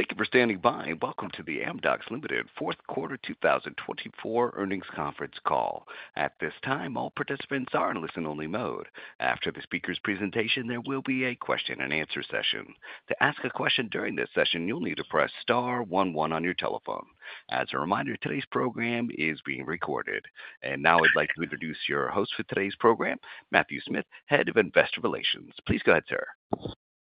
Thank you for standing by. Welcome to the Amdocs Limited Fourth Quarter 2024 earnings conference call. At this time, all participants are in listen-only mode. After the speaker's presentation, there will be a question-and-answer session. To ask a question during this session, you'll need to press star 11 on your telephone. As a reminder, today's program is being recorded, and now I'd like to introduce your host for today's program, Matthew Smith, Head of Investor Relations. Please go ahead, sir.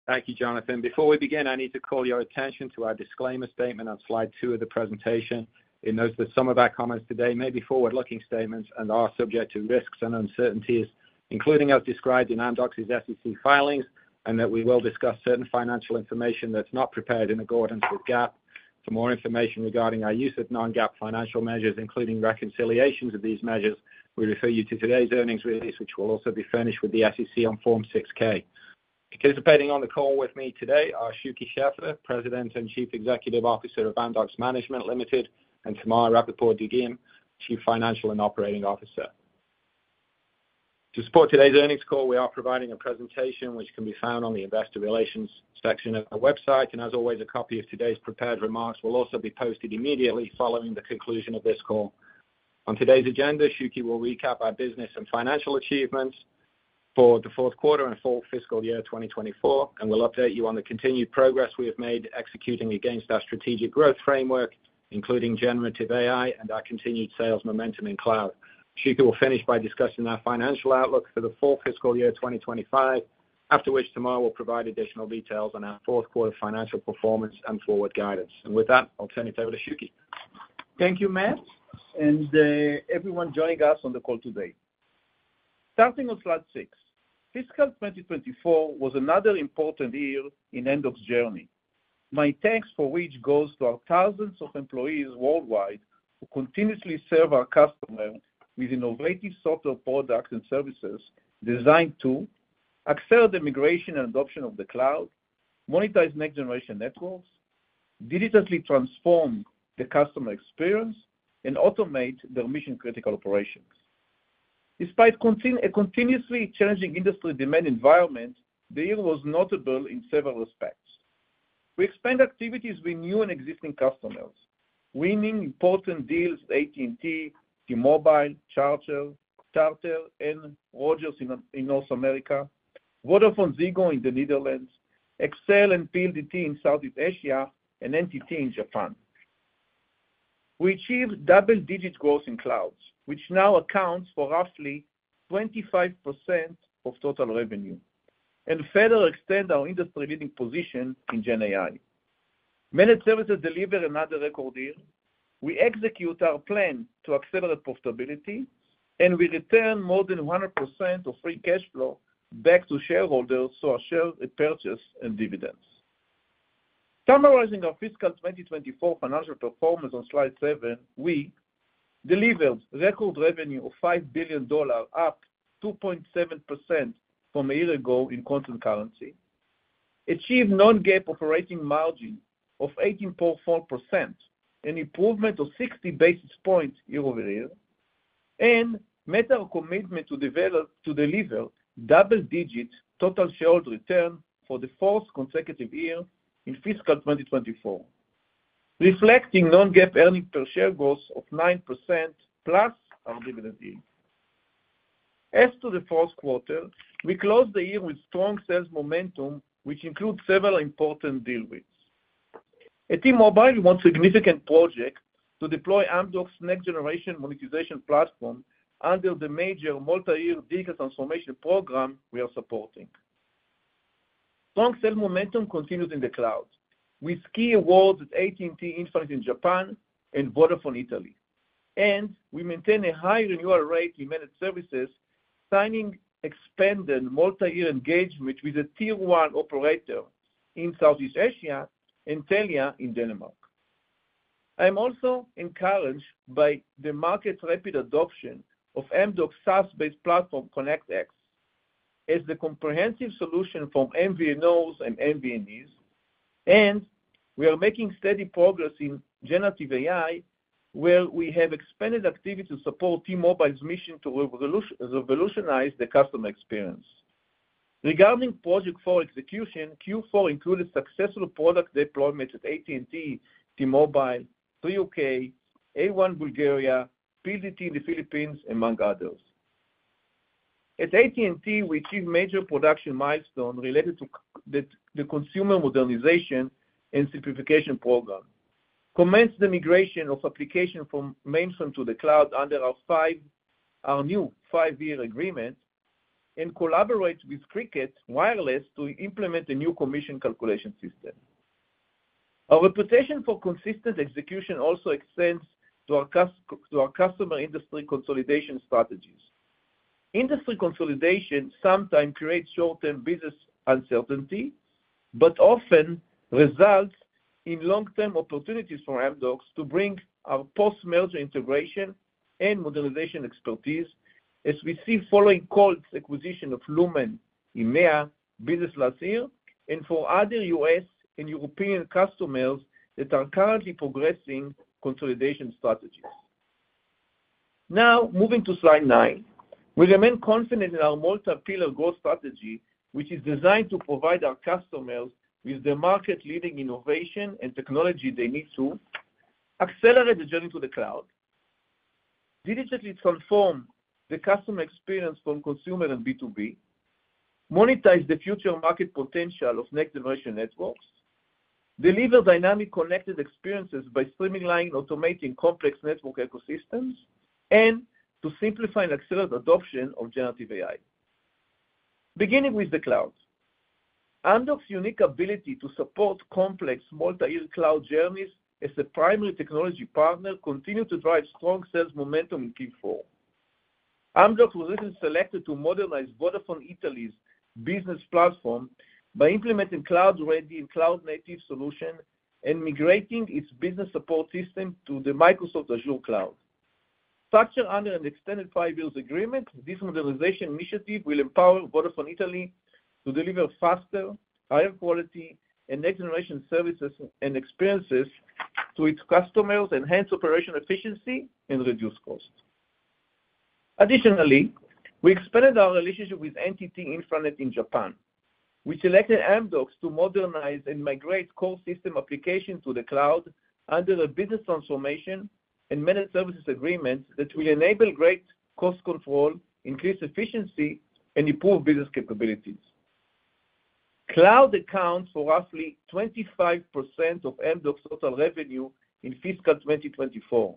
Thank you, Jonathan. Before we begin, I need to call your attention to our disclaimer statement on slide two of the presentation. It notes that some of our comments today may be forward-looking statements and are subject to risks and uncertainties, including as described in Amdocs's SEC filings, and that we will discuss certain financial information that's not prepared in accordance with GAAP. For more information regarding our use of non-GAAP financial measures, including reconciliations of these measures, we refer you to today's earnings release, which will also be furnished with the SEC on Form 6K. Participating on the call with me today are Shuky Sheffer, President and Chief Executive Officer of Amdocs Management Limited, and Tamar Rapaport-Dagim, Chief Financial and Operating Officer. To support today's earnings call, we are providing a presentation which can be found on the Investor Relations section of the website, and as always, a copy of today's prepared remarks will also be posted immediately following the conclusion of this call. On today's agenda, Shuky will recap our business and financial achievements for the fourth quarter and full fiscal year 2024, and will update you on the continued progress we have made executing against our strategic growth framework, including generative AI and our continued sales momentum in cloud. Shuky will finish by discussing our financial outlook for the full fiscal year 2025, after which Tamar will provide additional details on our fourth quarter financial performance and forward guidance. And with that, I'll turn it over to Shuky. Thank you, Matt, and everyone joining us on the call today. Starting on slide six, fiscal 2024 was another important year in Amdocs' journey. My thanks for which goes to our thousands of employees worldwide who continuously serve our customers with innovative software products and services designed to accelerate the migration and adoption of the cloud, monetize next-generation networks, digitally transform the customer experience, and automate their mission-critical operations. Despite a continuously changing industry demand environment, the year was notable in several respects. We expanded activities with new and existing customers, winning important deals with AT&T, T-Mobile, Charter, and Rogers in North America, VodafoneZiggo in the Netherlands, XL and PLDT in Southeast Asia, and NTT in Japan. We achieved double-digit growth in cloud, which now accounts for roughly 25% of total revenue, and further extend our industry-leading position in GenAI. Managed services deliver another record year. We execute our plan to accelerate profitability, and we return more than 100% of free cash flow back to shareholders through our share repurchase and dividends. Summarizing our fiscal 2024 financial performance on slide seven, we delivered record revenue of $5 billion, up 2.7% from a year ago in constant currency, achieved non-GAAP operating margin of 18.4%, an improvement of 60 basis points year over year, and met our commitment to deliver double-digit total shareholder return for the fourth consecutive year in fiscal 2024, reflecting non-GAAP earnings per share growth of 9% plus our dividend yield. As to the fourth quarter, we closed the year with strong sales momentum, which includes several important deals. At T-Mobile, we won significant projects to deploy Amdocs' next-generation monetization platform under the major multi-year digital transformation program we are supporting. Strong sales momentum continues in the cloud. We won awards at AT&T and NTT in Japan and Vodafone Italy, and we maintain a high renewal rate in many services, signing expanded multi-year engagement with a tier one operator in Southeast Asia and Telia in Denmark. I'm also encouraged by the market's rapid adoption of Amdocs SaaS-based platform ConnectX as the comprehensive solution for MVNOs and MVNEs, and we are making steady progress in generative AI, where we have expanded activity to support T-Mobile's mission to revolutionize the customer experience. Regarding Q4 execution, Q4 included successful product deployment at AT&T, T-Mobile, Three UK, A1 Bulgaria, PLDT in the Philippines, among others. At AT&T, we achieved major production milestones related to the consumer modernization and simplification program, commenced the migration of applications from mainframe to the cloud under our new five-year agreement, and collaborated with Cricket Wireless to implement a new commission calculation system. Our reputation for consistent execution also extends to our customer industry consolidation strategies. Industry consolidation sometimes creates short-term business uncertainty, but often results in long-term opportunities for Amdocs to bring our post-merger integration and modernization expertise, as we see following Colt's acquisition of Lumen's EMEA business, and for other U.S. and European customers that are currently progressing consolidation strategies. Now, moving to slide nine, we remain confident in our multi-pillar growth strategy, which is designed to provide our customers with the market-leading innovation and technology they need to accelerate the journey to the cloud, digitally transform the customer experience from consumer and B2B, monetize the future market potential of next-generation networks, deliver dynamic connected experiences by streamlining and automating complex network ecosystems, and to simplify and accelerate adoption of generative AI. Beginning with the cloud, Amdocs' unique ability to support complex multi-year cloud journeys as a primary technology partner continues to drive strong sales momentum in Q4. Amdocs was recently selected to modernize Vodafone Italy's business platform by implementing cloud-ready and cloud-native solutions and migrating its business support system to the Microsoft Azure cloud. Structured under an extended five-year agreement, this modernization initiative will empower Vodafone Italy to deliver faster, higher-quality, and next-generation services and experiences to its customers, enhance operational efficiency, and reduce costs. Additionally, we expanded our relationship with NTT InfraNet in Japan. We selected Amdocs to modernize and migrate core system applications to the cloud under a business transformation and managed services agreements that will enable great cost control, increase efficiency, and improve business capabilities. Cloud accounts for roughly 25% of Amdocs' total revenue in fiscal 2024.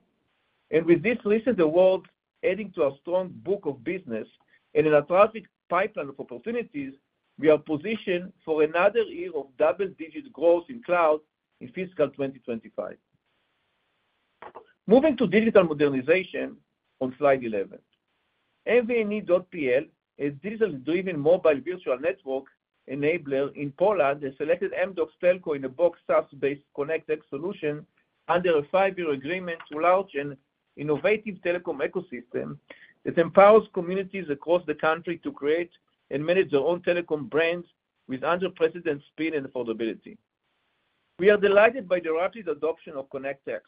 And with this recent award adding to our strong book of business and an attractive pipeline of opportunities, we are positioned for another year of double-digit growth in cloud in fiscal 2025. Moving to digital modernization on slide 11, MVNE.pl, a digital-driven mobile virtual network enabler in Poland, has selected Amdocs Telco in a Box SaaS-based ConnectX solution under a five-year agreement to launch an innovative telecom ecosystem that empowers communities across the country to create and manage their own telecom brands with unprecedented speed and affordability. We are delighted by the rapid adoption of ConnectX,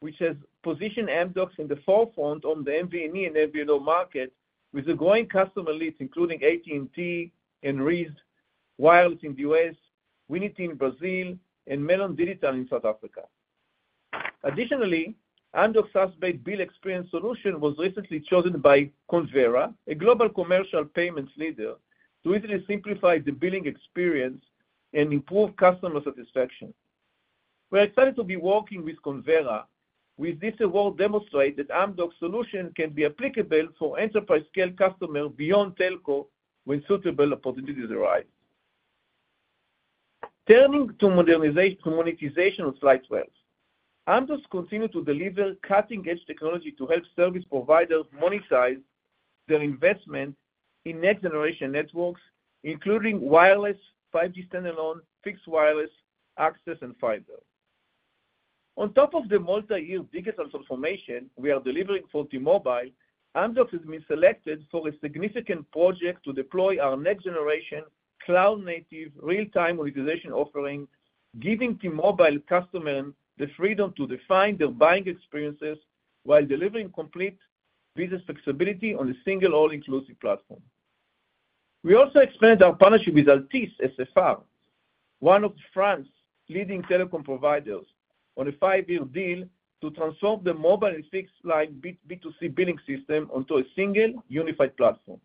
which has positioned Amdocs in the forefront on the MVNE and MVNO market with a growing customer lead, including AT&T and [Cricket] Wireless in the U.S., Unifique in Brazil, and Melon Digital in South Africa. Additionally, Amdocs SaaS-based bill experience solution was recently chosen by Convera, a global commercial payments leader, to easily simplify the billing experience and improve customer satisfaction. We're excited to be working with Convera, with this award demonstrating that Amdocs' solution can be applicable for enterprise-scale customers beyond telco when suitable opportunities arise. Turning to modernization on slide 12, Amdocs continues to deliver cutting-edge technology to help service providers monetize their investment in next-generation networks, including wireless, 5G standalone, fixed wireless, access, and fiber. On top of the multi-year digital transformation we are delivering for T-Mobile, Amdocs has been selected for a significant project to deploy our next-generation cloud-native real-time monetization offering, giving T-Mobile customers the freedom to define their buying experiences while delivering complete business flexibility on a single all-inclusive platform. We also expanded our partnership with Altice SFR, one of France's leading telecom providers, on a five-year deal to transform the mobile and fixed-line B2C billing system onto a single unified platform.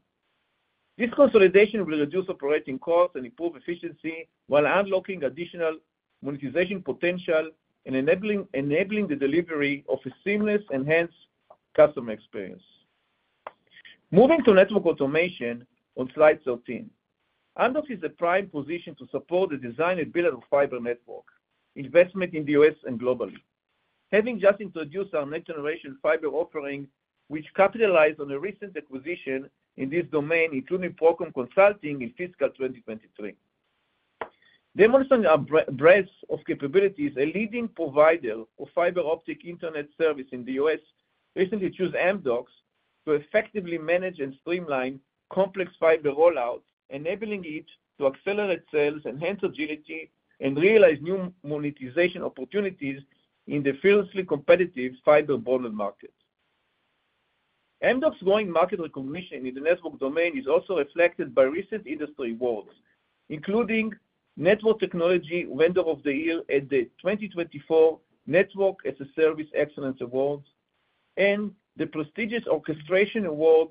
This consolidation will reduce operating costs and improve efficiency while unlocking additional monetization potential and enabling the delivery of a seamless and enhanced customer experience. Moving to network automation on slide 13, Amdocs is in a prime position to support the design and build-out of fiber network investment in the U.S. and globally, having just introduced our next-generation fiber offering, which capitalized on a recent acquisition in this domain, including ProCom Consulting in fiscal 2023. Demonstrating our breadth of capabilities, a leading provider of fiber optic internet service in the U.S. recently chose Amdocs to effectively manage and streamline complex fiber rollouts, enabling it to accelerate sales, enhance agility, and realize new monetization opportunities in the fiercely competitive fiber bonded market. Amdocs' growing market recognition in the network domain is also reflected by recent industry awards, including Network Technology Vendor of the Year at the 2024 Network as a Service Excellence Award and the prestigious Orchestration Award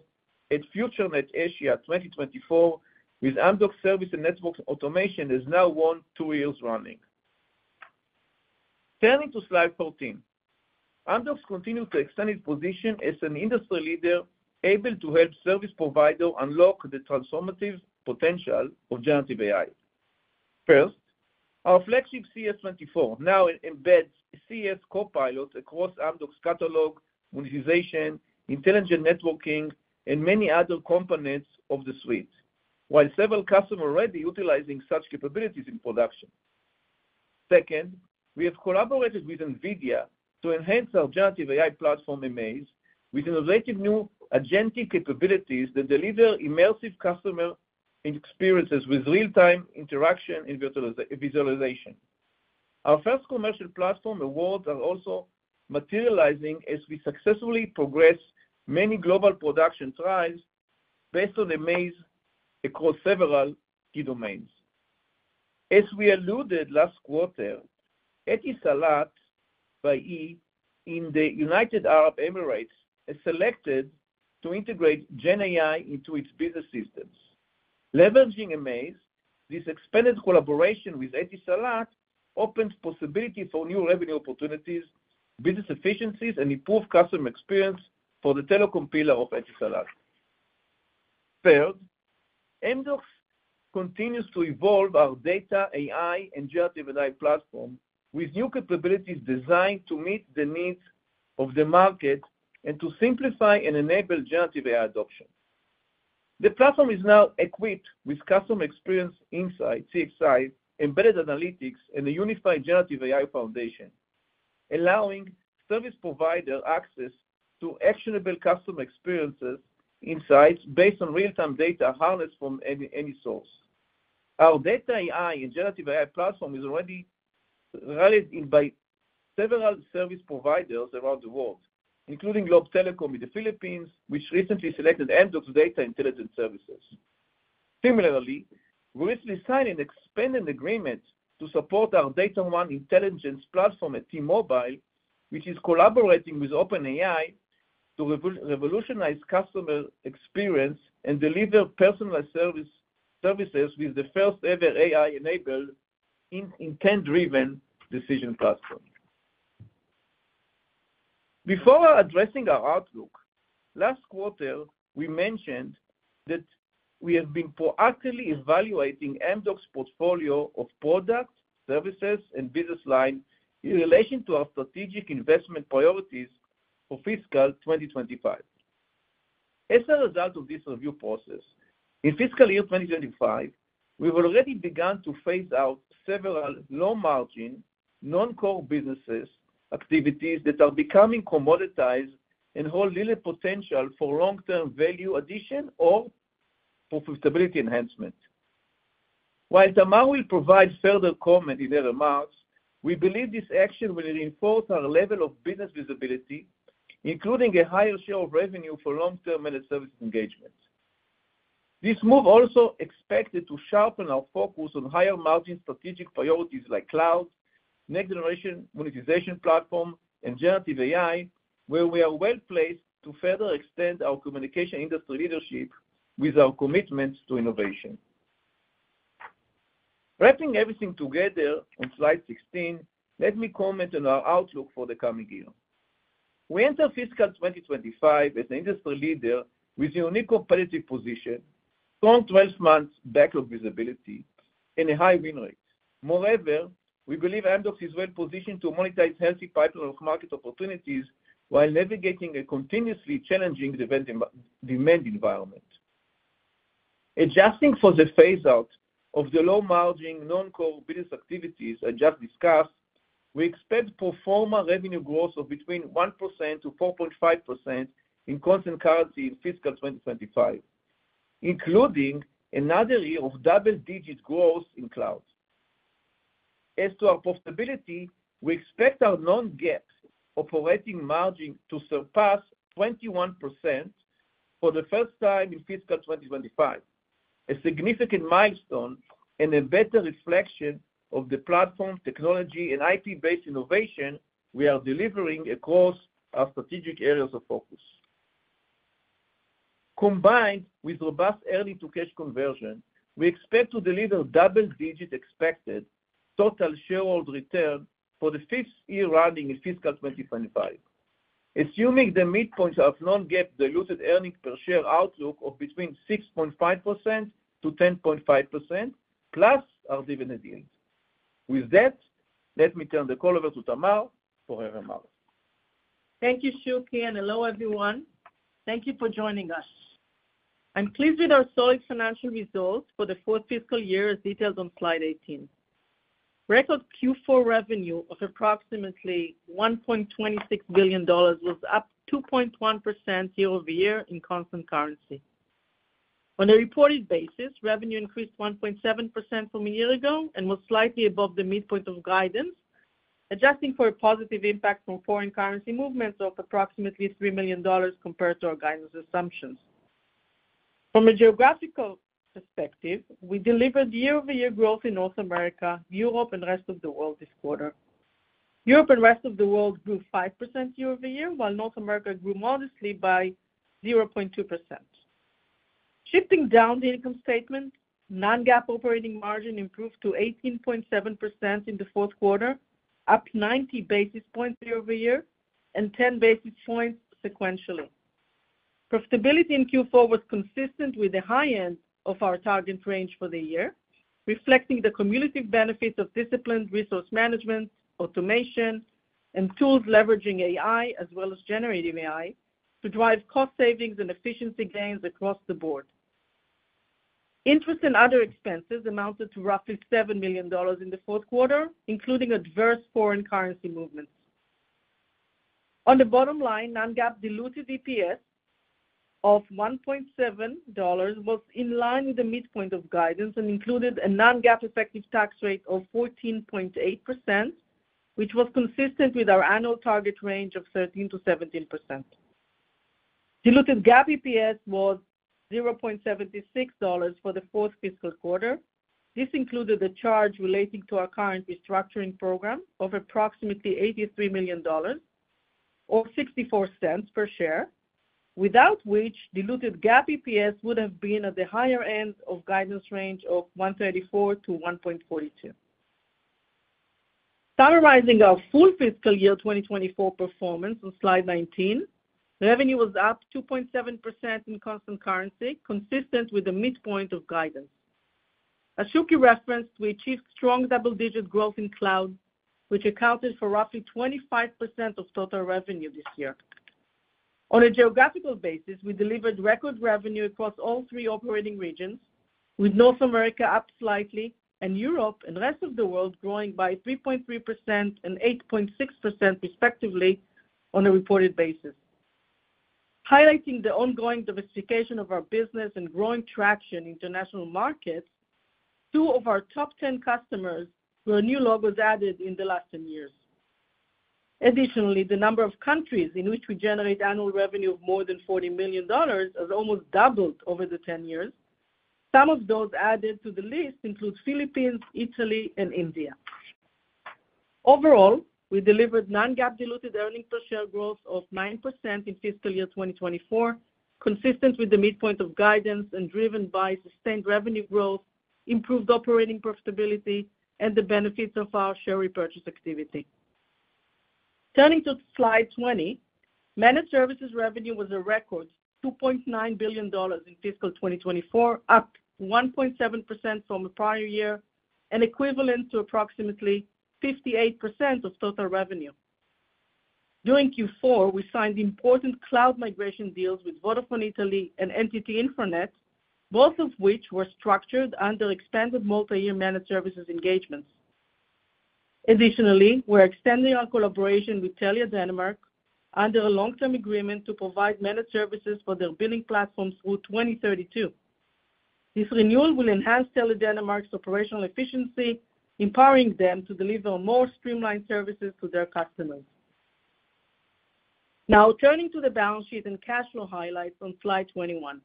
at FutureNet Asia 2024, with Amdocs Service and Network Automation as now won two years running. Turning to slide 14, Amdocs continues to extend its position as an industry leader able to help service providers unlock the transformative potential of generative AI. First, our flagship CES24 now embeds CS copilots across Amdocs catalog, monetization, intelligent networking, and many other components of the suite, while several customers are already utilizing such capabilities in production. Second, we have collaborated with NVIDIA to enhance our generative AI platform, amAIz, with innovative new agentic capabilities that deliver immersive customer experiences with real-time interaction and visualization. Our first commercial platform awards are also materializing as we successfully progress many global production trials based on amAIz across several key domains. As we alluded to last quarter, Etisalat by e& in the United Arab Emirates has selected to integrate GenAI into its business systems. Leveraging amAIz, this expanded collaboration with Etisalat opens possibilities for new revenue opportunities, business efficiencies, and improved customer experience for the telecom pillar of Etisalat. Third, Amdocs continues to evolve our data AI and generative AI platform with new capabilities designed to meet the needs of the market and to simplify and enable generative AI adoption. The platform is now equipped with customer experience insights, CXI, embedded analytics, and a unified generative AI foundation, allowing service providers access to actionable customer experience insights based on real-time data harnessed from any source. Our data AI and generative AI platform is already adopted by several service providers around the world, including Globe Telecom in the Philippines, which recently selected Amdocs Data Intelligence Services. Similarly, we recently signed an expanded agreement to support our DataONE intelligence platform at T-Mobile, which is collaborating with OpenAI to revolutionize customer experience and deliver personalized services with the first-ever AI-enabled intent-driven decision platform. Before addressing our outlook, last quarter, we mentioned that we have been proactively evaluating Amdocs' portfolio of product services and business lines in relation to our strategic investment priorities for fiscal 2025. As a result of this review process, in fiscal year 2025, we've already begun to phase out several low-margin, non-core business activities that are becoming commoditized and hold little potential for long-term value addition or profitability enhancement. While Tamar will provide further comment in her remarks, we believe this action will reinforce our level of business visibility, including a higher share of revenue for long-term managed service engagement. This move is also expected to sharpen our focus on higher-margin strategic priorities like cloud, next-generation monetization platform, and generative AI, where we are well placed to further extend our communication industry leadership with our commitment to innovation. Wrapping everything together on slide 16, let me comment on our outlook for the coming year. We enter fiscal 2025 as an industry leader with a unique competitive position, strong 12-month backlog visibility, and a high win rate. Moreover, we believe Amdocs is well positioned to monetize healthy pipeline of market opportunities while navigating a continuously challenging demand environment. Adjusting for the phase-out of the low-margin, non-core business activities I just discussed, we expect pro forma revenue growth of between 1%-4.5% in constant currency in fiscal 2025, including another year of double-digit growth in cloud. As to our profitability, we expect our non-GAAP operating margin to surpass 21% for the first time in fiscal 2025, a significant milestone and a better reflection of the platform, technology, and IP-based innovation we are delivering across our strategic areas of focus. Combined with robust earnings-to-cash conversion, we expect to deliver double-digit expected total shareholder return for the fifth year running in fiscal 2025, assuming the midpoint of non-GAAP diluted earnings per share outlook of between 6.5%-10.5% plus our dividend yield. With that, let me turn the call over to Tamar for her remarks. Thank you, Shuky Sheffer. Hello, everyone. Thank you for joining us. I'm pleased with our solid financial results for the fourth fiscal year as detailed on slide 18. Record Q4 revenue of approximately $1.26 billion was up 2.1% year over year in constant currency. On a reported basis, revenue increased 1.7% from a year ago and was slightly above the midpoint of guidance, adjusting for a positive impact from foreign currency movements of approximately $3 million compared to our guidance assumptions. From a geographical perspective, we delivered year-over-year growth in North America, Europe, and the rest of the world this quarter. Europe and the rest of the world grew 5% year-over-year, while North America grew modestly by 0.2%. Shifting down the income statement, non-GAAP operating margin improved to 18.7% in the fourth quarter, up 90 basis points year-over-year and 10 basis points sequentially. Profitability in Q4 was consistent with the high end of our target range for the year, reflecting the cumulative benefits of disciplined resource management, automation, and tools leveraging AI, as well as generative AI, to drive cost savings and efficiency gains across the board. Interest and other expenses amounted to roughly $7 million in the fourth quarter, including adverse foreign currency movements. On the bottom line, Non-GAAP diluted EPS of $1.7 was in line with the midpoint of guidance and included a Non-GAAP effective tax rate of 14.8%, which was consistent with our annual target range of 13%-17%. Diluted GAAP EPS was $0.76 for the fourth fiscal quarter. This included a charge relating to our current restructuring program of approximately $83 million or $0.64 per share, without which diluted GAAP EPS would have been at the higher end of guidance range of $1.34-$1.42. Summarizing our full fiscal year 2024 performance on slide 19, revenue was up 2.7% in constant currency, consistent with the midpoint of guidance. As Shuky referenced, we achieved strong double-digit growth in cloud, which accounted for roughly 25% of total revenue this year. On a geographical basis, we delivered record revenue across all three operating regions, with North America up slightly and Europe and the rest of the world growing by 3.3% and 8.6% respectively on a reported basis. Highlighting the ongoing diversification of our business and growing traction in international markets, two of our top 10 customers were new logos added in the last 10 years. Additionally, the number of countries in which we generate annual revenue of more than $40 million has almost doubled over the 10 years. Some of those added to the list include the Philippines, Italy, and India. Overall, we delivered non-GAAP diluted earning per share growth of 9% in fiscal year 2024, consistent with the midpoint of guidance and driven by sustained revenue growth, improved operating profitability, and the benefits of our share repurchase activity. Turning to slide 20, managed services revenue was a record $2.9 billion in fiscal 2024, up 1.7% from the prior year and equivalent to approximately 58% of total revenue. During Q4, we signed important cloud migration deals with Vodafone Italy and NTT InfraNet, both of which were structured under expanded multi-year managed services engagements. Additionally, we're extending our collaboration with Telia Denmark under a long-term agreement to provide managed services for their billing platforms through 2032. This renewal will enhance Telia Denmark's operational efficiency, empowering them to deliver more streamlined services to their customers. Now, turning to the balance sheet and cash flow highlights on slide 21,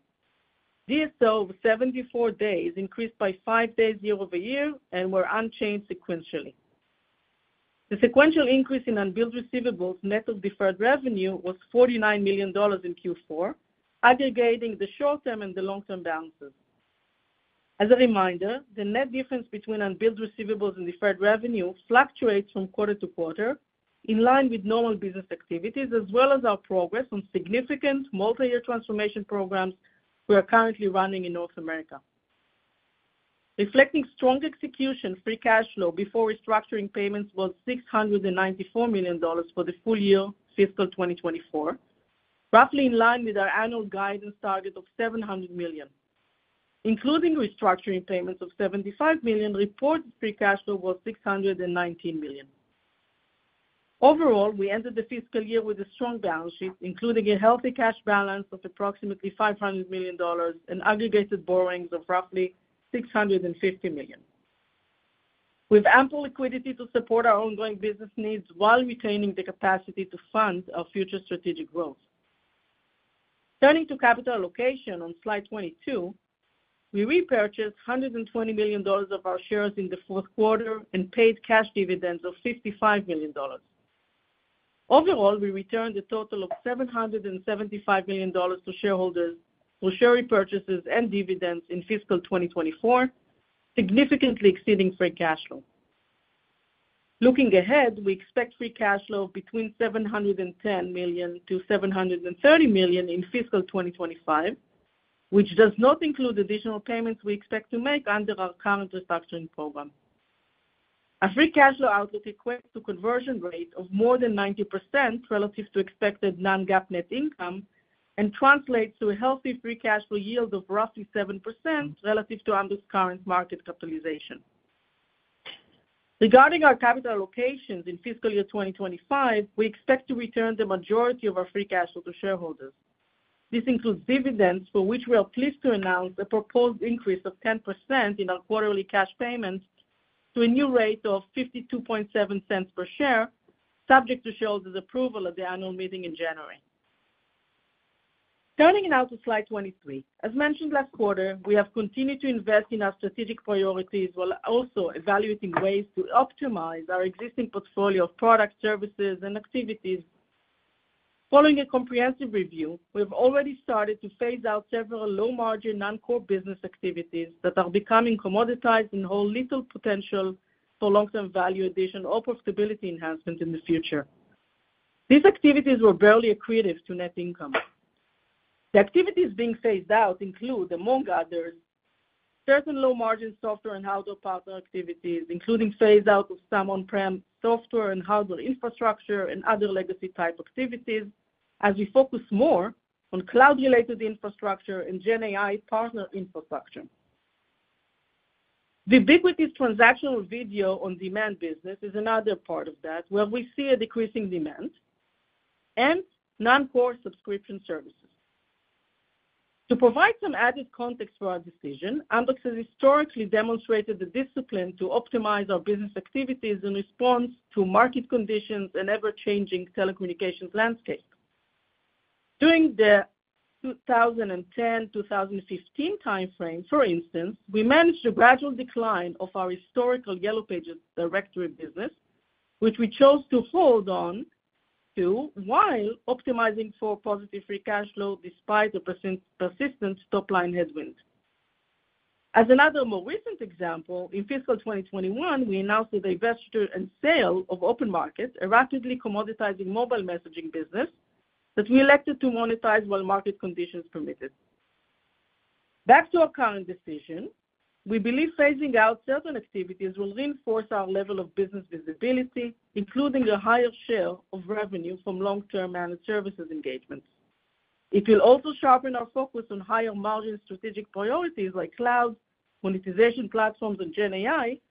DSO of 74 days increased by five days year-over-year and were unchanged sequentially. The sequential increase in unbilled receivables net of deferred revenue was $49 million in Q4, aggregating the short-term and the long-term balances. As a reminder, the net difference between unbilled receivables and deferred revenue fluctuates from quarter to quarter in line with normal business activities, as well as our progress on significant multi-year transformation programs we are currently running in North America. Reflecting strong execution, Free Cash Flow before restructuring payments was $694 million for the full year, fiscal 2024, roughly in line with our annual guidance target of $700 million. Including restructuring payments of $75 million, reported Free Cash Flow was $619 million. Overall, we entered the fiscal year with a strong balance sheet, including a healthy cash balance of approximately $500 million and aggregated borrowings of roughly $650 million. With ample liquidity to support our ongoing business needs while retaining the capacity to fund our future strategic growth. Turning to capital allocation on slide 22, we repurchased $120 million of our shares in the fourth quarter and paid cash dividends of $55 million. Overall, we returned a total of $775 million to shareholders for share repurchases and dividends in fiscal 2024, significantly exceeding free cash flow. Looking ahead, we expect free cash flow between $710 million to $730 million in fiscal 2025, which does not include additional payments we expect to make under our current restructuring program. A free cash flow outlook equates to a conversion rate of more than 90% relative to expected non-GAAP net income and translates to a healthy free cash flow yield of roughly 7% relative to Amdocs' current market capitalization. Regarding our capital allocations in fiscal year 2025, we expect to return the majority of our free cash flow to shareholders. This includes dividends, for which we are pleased to announce a proposed increase of 10% in our quarterly cash payments to a new rate of $0.527 per share, subject to shareholders' approval at the annual meeting in January. Turning now to slide 23, as mentioned last quarter, we have continued to invest in our strategic priorities while also evaluating ways to optimize our existing portfolio of products, services, and activities. Following a comprehensive review, we have already started to phase out several low-margin non-core business activities that are becoming commoditized and hold little potential for long-term value addition or profitability enhancement in the future. These activities were barely accretive to net income. The activities being phased out include, among others, certain low-margin software and hardware partner activities, including phase-out of some on-prem software and hardware infrastructure and other legacy-type activities, as we focus more on cloud-related infrastructure and GenAI partner infrastructure. The Vubiquity transactional video on demand business is another part of that, where we see a decreasing demand and non-core subscription services. To provide some added context for our decision, Amdocs has historically demonstrated the discipline to optimize our business activities in response to market conditions and ever-changing telecommunications landscape. During the 2010-2015 timeframe, for instance, we managed a gradual decline of our historical Yellow Pages directory business, which we chose to hold on to while optimizing for positive free cash flow despite a persistent top-line headwind. As another more recent example, in fiscal 2021, we announced the divestiture and sale of OpenMarket, a rapidly commoditizing mobile messaging business that we elected to monetize while market conditions permitted. Back to our current decision, we believe phasing out certain activities will reinforce our level of business visibility, including a higher share of revenue from long-term managed services engagements. It will also sharpen our focus on higher-margin strategic priorities like cloud, monetization platforms, and GenAI,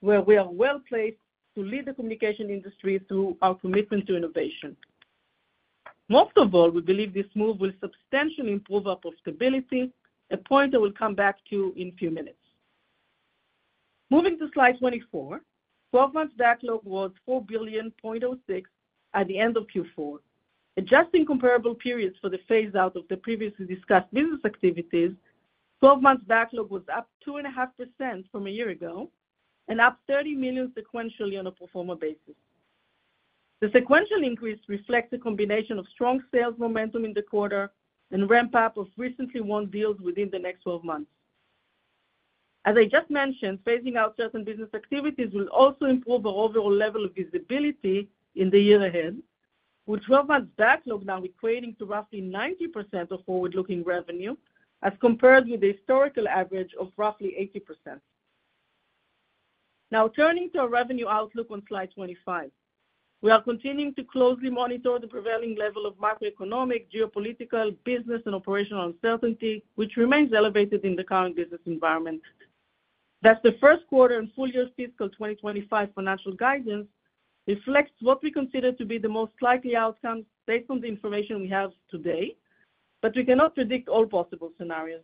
where we are well placed to lead the communication industry through our commitment to innovation. Most of all, we believe this move will substantially improve our profitability, a point I will come back to in a few minutes. Moving to slide 24, 12-month backlog was $4.06 billion at the end of Q4. Adjusting comparable periods for the phase-out of the previously discussed business activities, 12-month backlog was up 2.5% from a year ago and up $30 million sequentially on a pro forma basis. The sequential increase reflects a combination of strong sales momentum in the quarter and ramp-up of recently won deals within the next 12 months. As I just mentioned, phasing out certain business activities will also improve our overall level of visibility in the year ahead, with 12-month backlog now equating to roughly 90% of forward-looking revenue as compared with the historical average of roughly 80%. Now, turning to our revenue outlook on slide 25, we are continuing to closely monitor the prevailing level of macroeconomic, geopolitical, business, and operational uncertainty, which remains elevated in the current business environment. That's the first quarter and full year fiscal 2025 financial guidance reflects what we consider to be the most likely outcomes based on the information we have today, but we cannot predict all possible scenarios.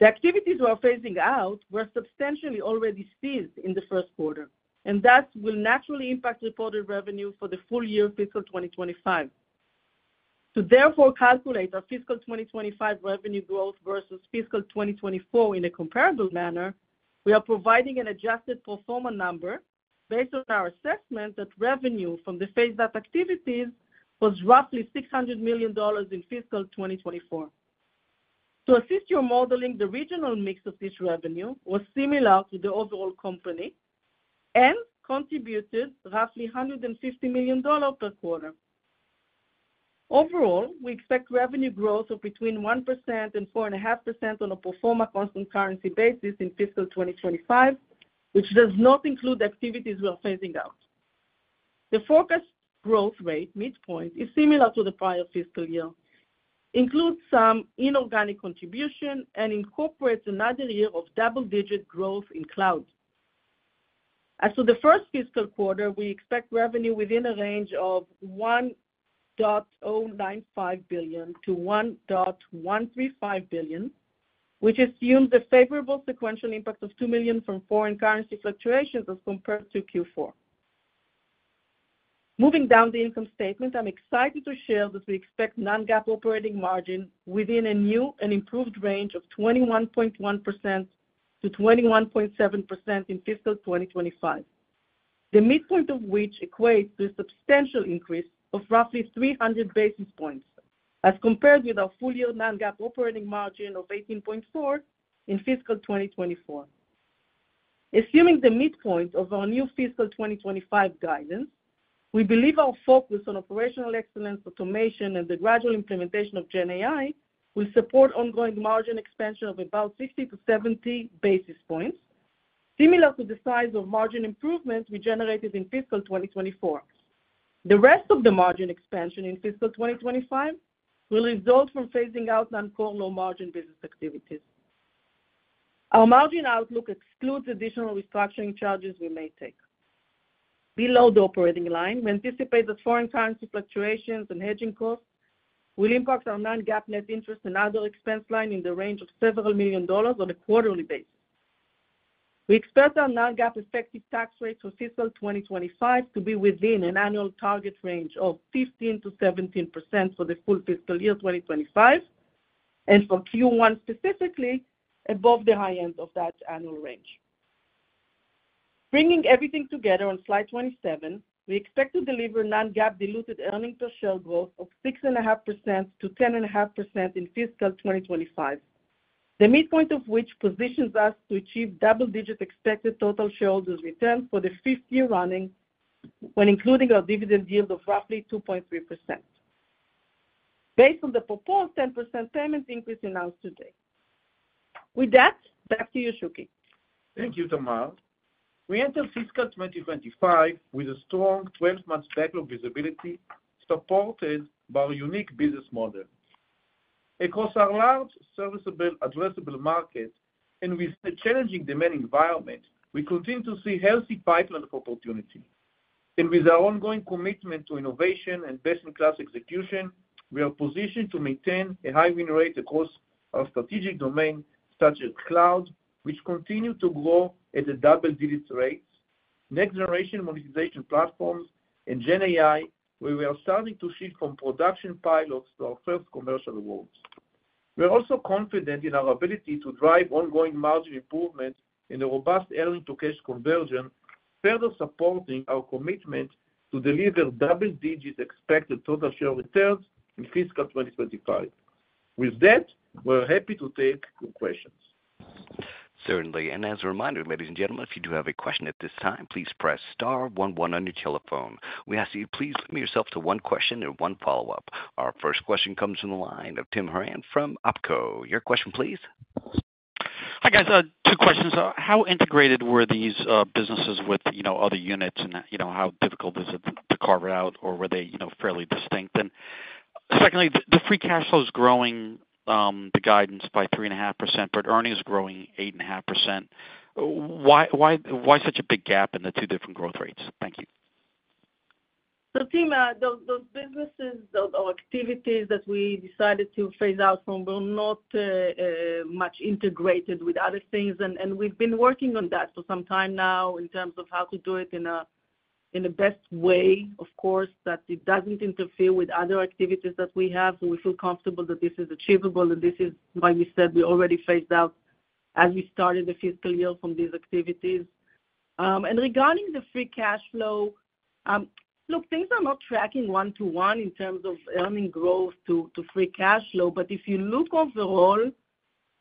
The activities we are phasing out were substantially already ceased in the first quarter, and that will naturally impact reported revenue for the full year fiscal 2025. To therefore calculate our fiscal 2025 revenue growth versus fiscal 2024 in a comparable manner, we are providing an adjusted pro forma number based on our assessment that revenue from the phased-out activities was roughly $600 million in fiscal 2024. To assist your modeling, the regional mix of this revenue was similar to the overall company and contributed roughly $150 million per quarter. Overall, we expect revenue growth of between 1% and 4.5% on a pro forma constant currency basis in fiscal 2025, which does not include activities we are phasing out. The forecast growth rate, midpoint, is similar to the prior fiscal year, includes some inorganic contribution, and incorporates another year of double-digit growth in cloud. As for the first fiscal quarter, we expect revenue within a range of $1.095 billion-$1.135 billion, which assumes a favorable sequential impact of $2 million from foreign currency fluctuations as compared to Q4. Moving down the income statement, I'm excited to share that we expect non-GAAP operating margin within a new and improved range of 21.1%-21.7% in fiscal 2025, the midpoint of which equates to a substantial increase of roughly 300 basis points as compared with our full year non-GAAP operating margin of 18.4% in fiscal 2024. Assuming the midpoint of our new fiscal 2025 guidance, we believe our focus on operational excellence, automation, and the gradual implementation of GenAI will support ongoing margin expansion of about 60-70 basis points, similar to the size of margin improvements we generated in fiscal 2024. The rest of the margin expansion in fiscal 2025 will result from phasing out non-core low-margin business activities. Our margin outlook excludes additional restructuring charges we may take. Below the operating line, we anticipate that foreign currency fluctuations and hedging costs will impact our non-GAAP net interest and other expense line in the range of several million dollars on a quarterly basis. We expect our non-GAAP effective tax rates for fiscal 2025 to be within an annual target range of 15%-17% for the full fiscal year 2025, and for Q1 specifically, above the high end of that annual range. Bringing everything together on slide 27, we expect to deliver non-GAAP diluted earnings per share growth of 6.5%-10.5% in fiscal 2025, the midpoint of which positions us to achieve double-digit expected total shareholders' return for the fifth year running when including our dividend yield of roughly 2.3%, based on the proposed 10% payout increase announced today. With that, back to you, Shuky. Thank you, Tamar. We enter fiscal 2025 with a strong 12-month backlog visibility supported by our unique business model. Across our large service-addressable market and with a challenging demand environment, we continue to see healthy pipeline of opportunity. With our ongoing commitment to innovation and best-in-class execution, we are positioned to maintain a high win rate across our strategic domain such as cloud, which continue to grow at double-digit rates, next-generation monetization platforms, and GenAI, where we are starting to shift from production pilots to our first commercial wins. We are also confident in our ability to drive ongoing margin improvement and a robust earnings-to-cash conversion, further supporting our commitment to deliver double-digit expected total share returns in fiscal 2025. With that, we're happy to take your questions. Certainly. And as a reminder, ladies and gentlemen, if you do have a question at this time, please press star 1 1 on your telephone. We ask that you please limit yourself to one question and one follow-up. Our first question comes from the line of Tim Horan from Oppenheimer. Your question, please. Hi, guys. Two questions. How integrated were these businesses with other units and how difficult was it to carve it out, or were they fairly distinct? And secondly, the free cash flow is growing the guidance by 3.5%, but earnings are growing 8.5%. Why such a big gap in the two different growth rates? Thank you. So Tim, those businesses, those activities that we decided to phase out from were not much integrated with other things. And we've been working on that for some time now in terms of how to do it in the best way, of course, that it doesn't interfere with other activities that we have. So we feel comfortable that this is achievable, and this is why we said we already phased out as we started the fiscal year from these activities. Regarding the free cash flow, look, things are not tracking one-to-one in terms of earning growth to free cash flow. But if you look overall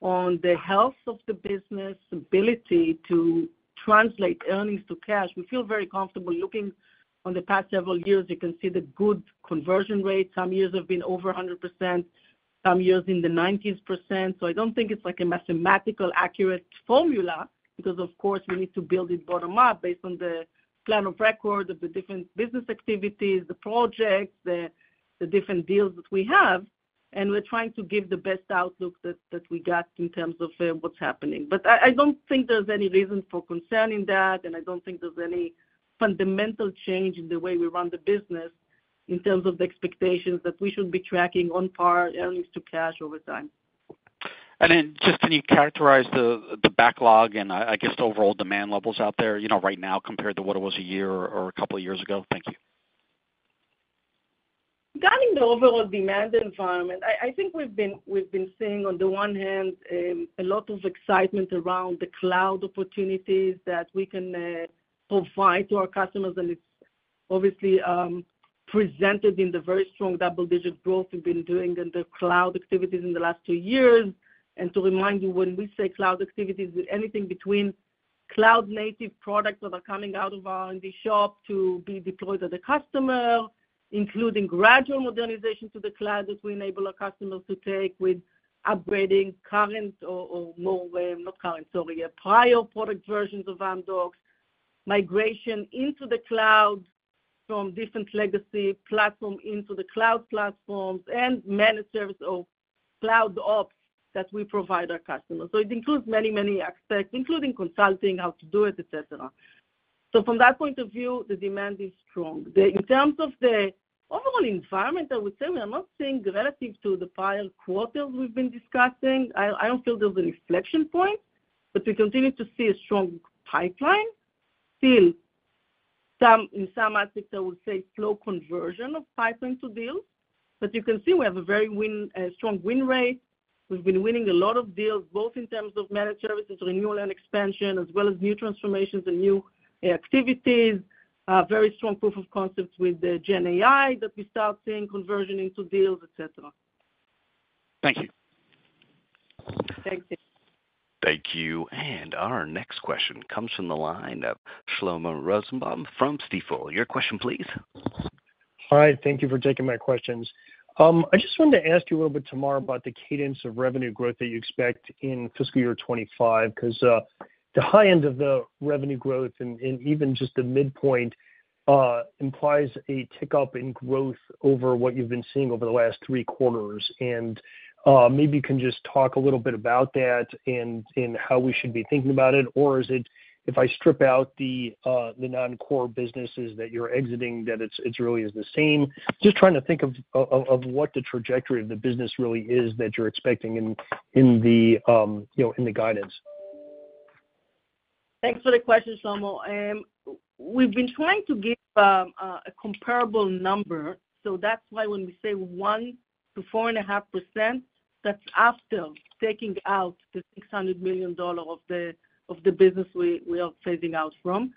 on the health of the business, ability to translate earnings to cash, we feel very comfortable looking on the past several years. You can see the good conversion rate. Some years have been over 100%, some years in the 90%. So I don't think it's like a mathematical accurate formula because, of course, we need to build it bottom-up based on the plan of record of the different business activities, the projects, the different deals that we have. And we're trying to give the best outlook that we got in terms of what's happening. But I don't think there's any reason for concern in that, and I don't think there's any fundamental change in the way we run the business in terms of the expectations that we should be tracking on par earnings to cash over time. And just can you characterize the backlog and, I guess, overall demand levels out there right now compared to what it was a year or a couple of years ago? Thank you. Regarding the overall demand environment, I think we've been seeing, on the one hand, a lot of excitement around the cloud opportunities that we can provide to our customers, and it's obviously presented in the very strong double-digit growth we've been doing in the cloud activities in the last two years. To remind you, when we say cloud activities, anything between cloud-native products that are coming out of our R&D shop to be deployed to the customer, including gradual modernization to the cloud that we enable our customers to take with upgrading current or more, not current, sorry, prior product versions of Amdocs, migration into the cloud from different legacy platforms into the cloud platforms, and managed service of cloud ops that we provide our customers. It includes many, many aspects, including consulting, how to do it, etc. From that point of view, the demand is strong. In terms of the overall environment, I would say we are not seeing relative to the prior quarters we've been discussing. I don't feel there's any inflection point, but we continue to see a strong pipeline. Still, in some aspects, I would say slow conversion of pipeline to deals. But you can see we have a very strong win rate. We've been winning a lot of deals, both in terms of managed services, renewal and expansion, as well as new transformations and new activities, very strong proof of concepts with GenAI that we start seeing conversion into deals, etc. Thank you. Thank you. Thank you. And our next question comes from the line of Shlomo Rosenbaum from Stifel. Your question, please. Hi. Thank you for taking my questions. I just wanted to ask you a little bit, Tamar, about the cadence of revenue growth that you expect in fiscal year 2025 because the high end of the revenue growth and even just the midpoint implies a tick up in growth over what you've been seeing over the last three quarters. And maybe you can just talk a little bit about that and how we should be thinking about it, or is it if I strip out the non-core businesses that you're exiting, that it really is the same? Just trying to think of what the trajectory of the business really is that you're expecting in the guidance. Thanks for the question, Shlomo. We've been trying to give a comparable number. So that's why when we say 1%-4.5%, that's after taking out the $600 million of the business we are phasing out from.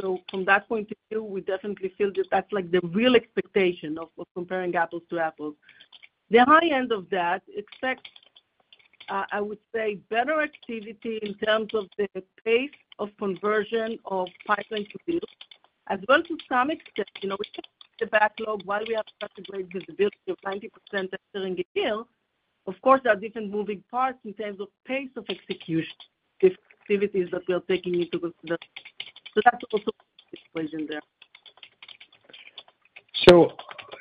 So from that point of view, we definitely feel that that's the real expectation of comparing apples to apples. The high end of that expects, I would say, better activity in terms of the pace of conversion of pipeline to deals, as well as to some extent, we can see the backlog while we have such a great visibility of 90% exiting a deal. Of course, there are different moving parts in terms of pace of execution, activities that we are taking into consideration. So that's also the equation there. So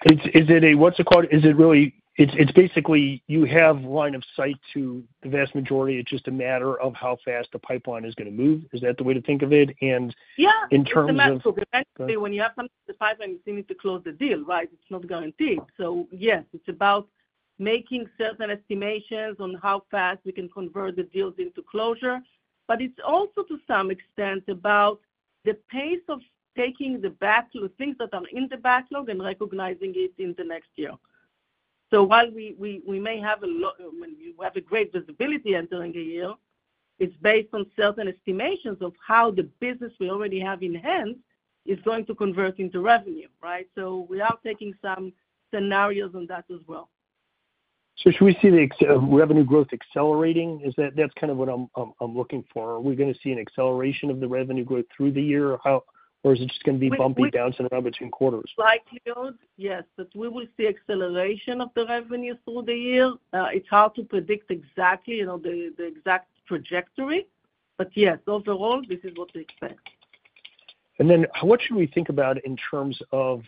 is it a what's it called? Is it really, it's basically you have line of sight to the vast majority. It's just a matter of how fast the pipeline is going to move. Is that the way to think of it? And in terms of Yeah. It's a matter of progress. When you have something to pipeline, you still need to close the deal, right? It's not guaranteed. So yes, it's about making certain estimations on how fast we can convert the deals into closure. But it's also, to some extent, about the pace of taking the backlog, things that are in the backlog, and recognizing it in the next year. So while we may have a lot when you have a great visibility entering a year, it's based on certain estimations of how the business we already have in hand is going to convert into revenue, right? So we are taking some scenarios on that as well. So should we see the revenue growth accelerating? That's kind of what I'm looking for. Are we going to see an acceleration of the revenue growth through the year, or is it just going to be bumping down somewhere between quarters? Slight yields, yes. But we will see acceleration of the revenues through the year. It's hard to predict exactly the trajectory. Yes, overall, this is what we expect. Then what should we think about in terms of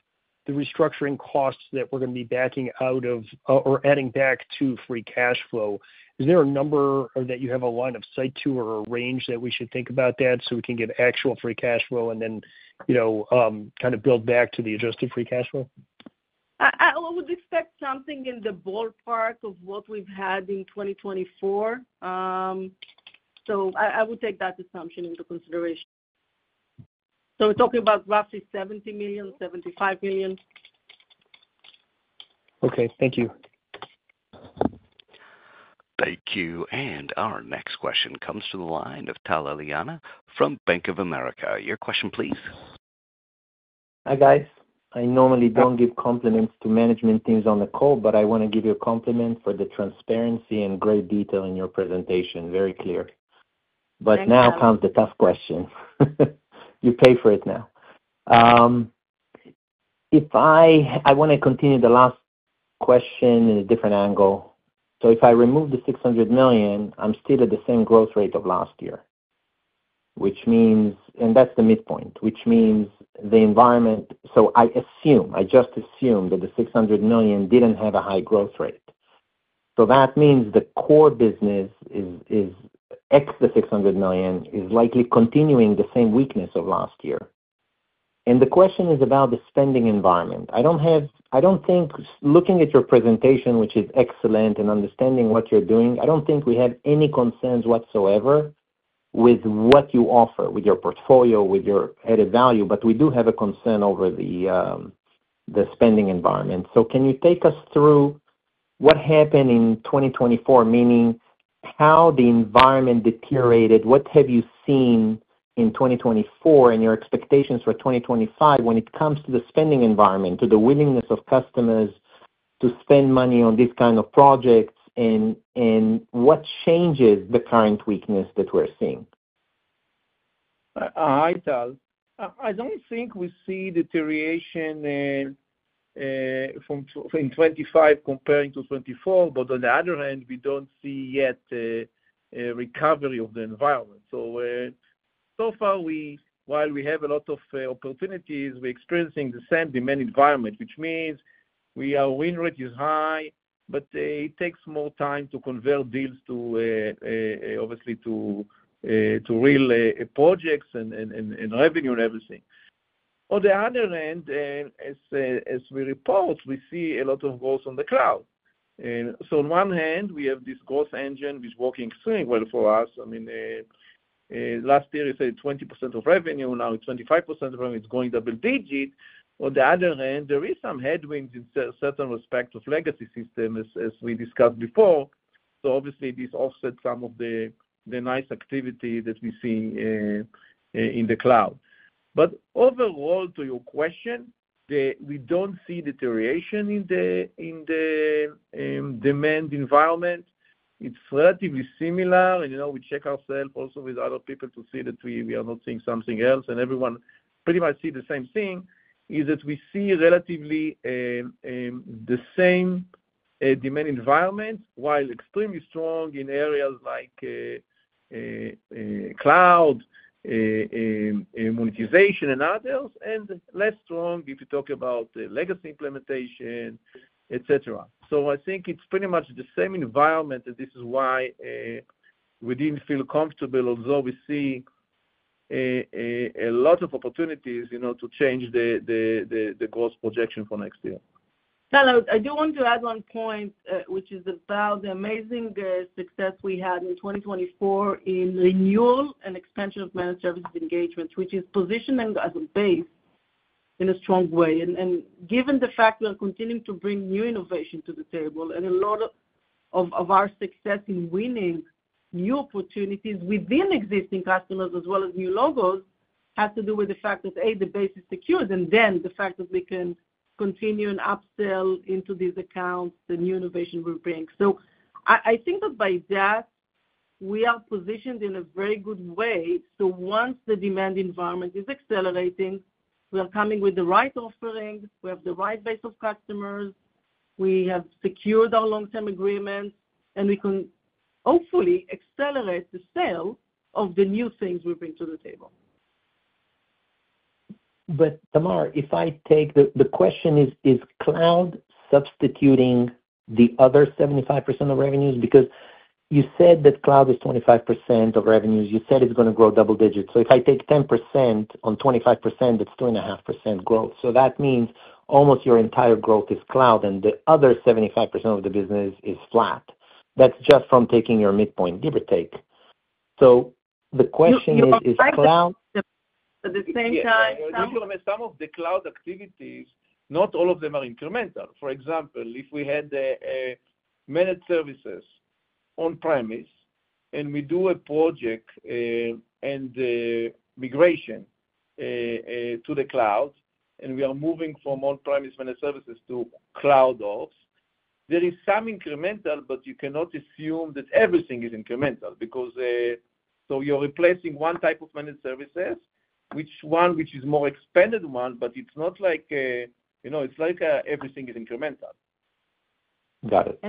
the restructuring costs that we're going to be backing out of or adding back to free cash flow? Is there a number that you have a line of sight to or a range that we should think about that so we can get actual free cash flow and then kind of build back to the adjusted free cash flow? I would expect something in the ballpark of what we've had in 2024. So I would take that assumption into consideration. So we're talking about roughly $70 million-$75 million. Okay. Thank you. Thank you. And our next question comes from the line of Tal Liani from Bank of America. Your question, please. Hi, guys. I normally don't give compliments to management teams on the call, but I want to give you a compliment for the transparency and great detail in your presentation. Very clear. Thanks, Tal. But now comes the tough question. You pay for it now. I want to continue the last question in a different angle. So if I remove the $600 million, I'm still at the same growth rate of last year, which means, and that's the midpoint, which means the environment. So I assume, I just assume that the $600 million didn't have a high growth rate. So that means the core business, ex the $600 million, is likely continuing the same weakness of last year. And the question is about the spending environment. I don't think, looking at your presentation, which is excellent and understanding what you're doing, I don't think we have any concerns whatsoever with what you offer, with your portfolio, with your added value. But we do have a concern over the spending environment. So can you take us through what happened in 2024, meaning how the environment deteriorated? What have you seen in 2024 and your expectations for 2025 when it comes to the spending environment, to the willingness of customers to spend money on these kinds of projects, and what changes the current weakness that we're seeing? Hi, Tal. I don't think we see deterioration in 2025 comparing to 2024. But on the other hand, we don't see yet a recovery of the environment. So far, while we have a lot of opportunities, we're experiencing the same demand environment, which means our win rate is high, but it takes more time to convert deals, obviously, to real projects and revenue and everything. On the other hand, as we report, we see a lot of growth on the cloud, so on one hand, we have this growth engine which is working extremely well for us. I mean, last year, you said 20% of revenue. Now it's 25% of revenue. It's going double-digit. On the other hand, there are some headwinds in certain respects of legacy systems, as we discussed before, so obviously, this offsets some of the nice activity that we see in the cloud. But overall, to your question, we don't see deterioration in the demand environment. It's relatively similar. And we check ourselves also with other people to see that we are not seeing something else. And everyone pretty much sees the same thing, is that we see relatively the same demand environment while extremely strong in areas like cloud, monetization, and others, and less strong if you talk about legacy implementation, etc. So I think it's pretty much the same environment, and this is why we didn't feel comfortable, although we see a lot of opportunities to change the growth projection for next year. Tal, I do want to add one point, which is about the amazing success we had in 2024 in renewal and expansion of managed services engagements, which is positioning as a base in a strong way. And given the fact we're continuing to bring new innovation to the table, and a lot of our success in winning new opportunities within existing customers as well as new logos has to do with the fact that, A, the base is secured, and then the fact that we can continue and upsell into these accounts, the new innovation we bring. So I think that by that, we are positioned in a very good way. So once the demand environment is accelerating, we are coming with the right offering. We have the right base of customers. We have secured our long-term agreements, and we can hopefully accelerate the sale of the new things we bring to the table. But Tamar, if I take the question, is cloud substituting the other 75% of revenues? Because you said that cloud is 25% of revenues. You said it's going to grow double-digits. If I take 10% on 25%, that's 2.5% growth. That means almost your entire growth is cloud, and the other 75% of the business is flat. That's just from taking your midpoint, give or take. The question is, is cloud At the same time. Yeah. And I'm going to make some of the cloud activities, not all of them are incremental. For example, if we had managed services on-premise and we do a project and migration to the cloud, and we are moving from on-premise managed services to cloud ops, there is some incremental, but you cannot assume that everything is incremental. So you're replacing one type of managed services, which one is a more expanded one, but it's not like everything is incremental. Got it.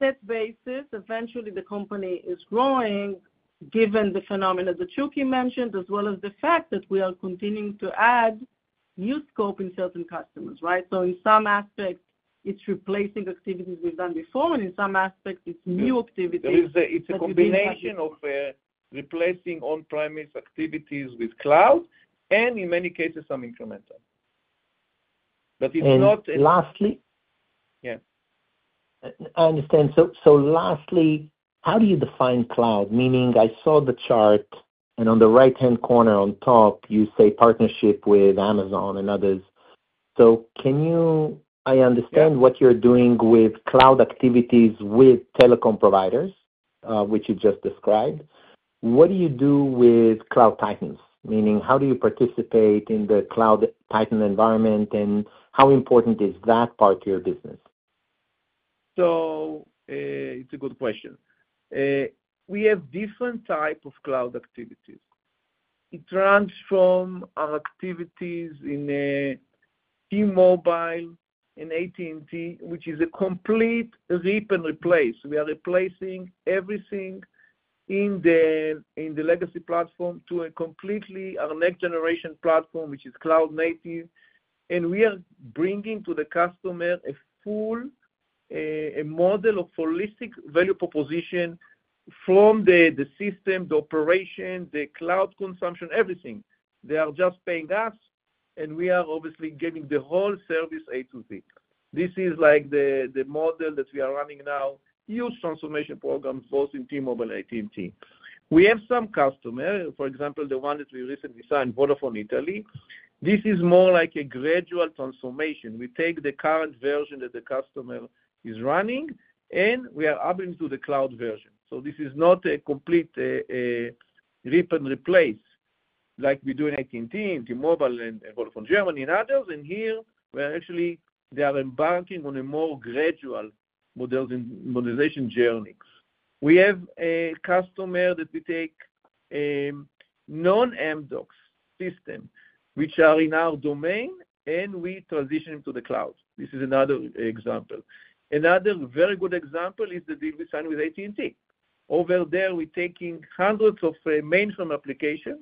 On a set basis, eventually, the company is growing given the phenomena that Shuky mentioned, as well as the fact that we are continuing to add new scope in certain customers, right? In some aspects, it's replacing activities we've done before, and in some aspects, it's new activities It's a combination of replacing on-premise activities with cloud and, in many cases, some incremental. But it's not. Lastly. Yeah. I understand. Lastly, how do you define cloud? Meaning, I saw the chart, and on the right-hand corner on top, you say partnership with Amazon and others. I understand what you're doing with cloud activities with telecom providers, which you just described. What do you do with cloud titans? Meaning, how do you participate in the cloud titan environment, and how important is that part to your business? It's a good question. We have different types of cloud activities. It runs from activities in T-Mobile and AT&T, which is a complete rip and replace. We are replacing everything in the legacy platform to a completely our next-generation platform, which is cloud native, and we are bringing to the customer a full model of holistic value proposition from the system, the operation, the cloud consumption, everything. They are just paying us, and we are obviously giving the whole service A to Z. This is like the model that we are running now, huge transformation programs, both in T-Mobile and AT&T. We have some customers, for example, the one that we recently signed, Vodafone Italy. This is more like a gradual transformation. We take the current version that the customer is running, and we are up into the cloud version. This is not a complete rip and replace like we do in AT&T, T-Mobile, and Vodafone Germany and others. And here, we're actually embarking on a more gradual modernization journey. We have a customer that we take non-Amdocs systems, which are in our domain, and we transition into the cloud. This is another example. Another very good example is the deal we signed with AT&T. Over there, we're taking hundreds of mainframe applications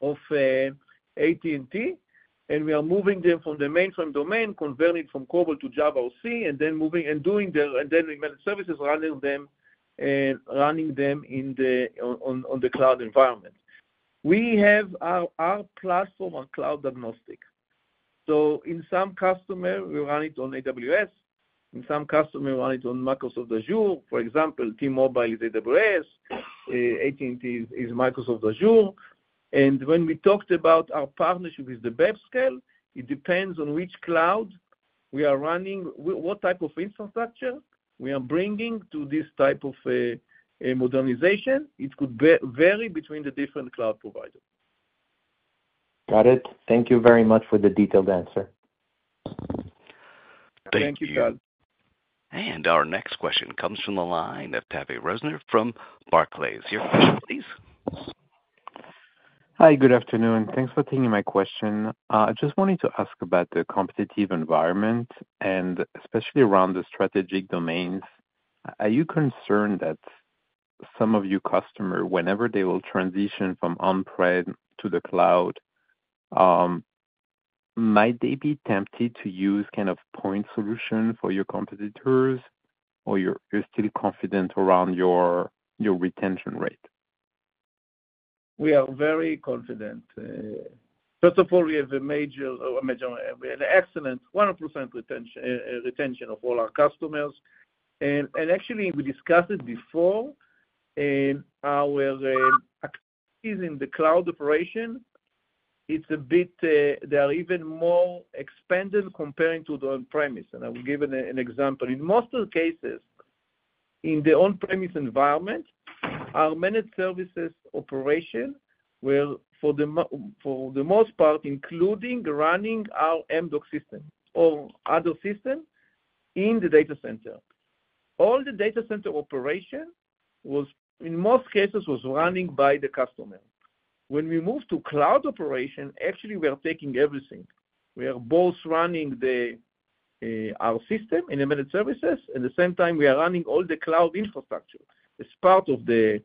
of AT&T, and we are moving them from the mainframe domain, converting it from COBOL to Java or C, and then moving and doing their and then managed services running them on the cloud environment. We have our platform on cloud agnostic. In some customers, we run it on AWS. In some customers, we run it on Microsoft Azure. For example, T-Mobile is AWS. AT&T is Microsoft Azure. And when we talked about our partnership with the Vodafone, it depends on which cloud we are running, what type of infrastructure we are bringing to this type of modernization. It could vary between the different cloud providers. Got it. Thank you very much for the detailed answer. Thank you, Tal. And our next question comes from the line of Tavy Rosner from Barclays. Your question, please. Hi, good afternoon. Thanks for taking my question. I just wanted to ask about the competitive environment, and especially around the strategic domains. Are you concerned that some of your customers, whenever they will transition from on-prem to the cloud, might they be tempted to use kind of point solutions for your competitors, or you're still confident around your retention rate? We are very confident. First of all, we have an excellent 100% retention of all our customers. And actually, we discussed it before. Our activities in the cloud operation, it's a bit they are even more expanded comparing to the on-premise. And I will give an example. In most of the cases, in the on-premise environment, our managed services operation were, for the most part, including running our Amdocs system or other system in the data center. All the data center operation, in most cases, was running by the customer. When we moved to cloud operation, actually, we are taking everything. We are both running our system in the managed services, and at the same time, we are running all the cloud infrastructure as part of the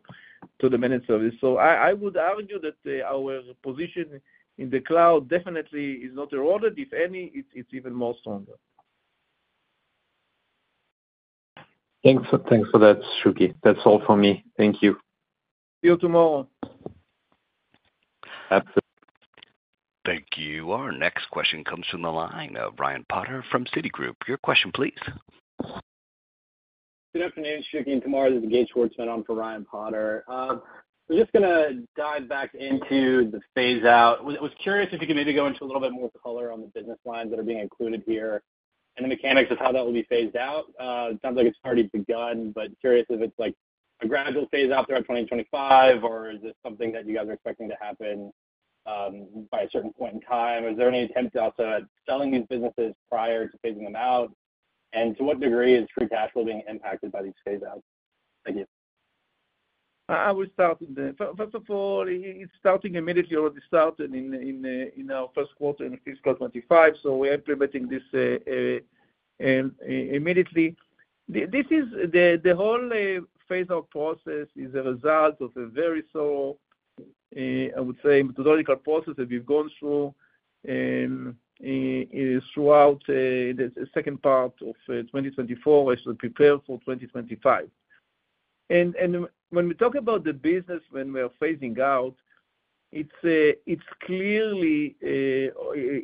managed service. I would argue that our position in the cloud definitely is not eroded. If any, it's even more stronger. Thanks for that, Shuky. That's all for me. Thank you. See you tomorrow. Absolutely. Thank you. Our next question comes from the line of Ryan Potter from Citigroup. Your question, please. Good afternoon, Shuky. This is Zachary Schwartzman on for Ryan Potter. We're just going to dive back into the phase-out. I was curious if you could maybe go into a little bit more color on the business lines that are being included here and the mechanics of how that will be phased out. It sounds like it's already begun, but curious if it's a gradual phase-out throughout 2025, or is this something that you guys are expecting to happen by a certain point in time? Is there any attempt also at selling these businesses prior to phasing them out? And to what degree is free cash flow being impacted by these phase-outs? Thank you. I will start with that. First of all, it's starting immediately. It already started in our first quarter in fiscal 25. So we are implementing this immediately. The whole phase-out process is a result of a very slow, I would say, methodological process that we've gone through throughout the second part of 2024 as we prepare for 2025, and when we talk about the business when we are phasing out, it's clearly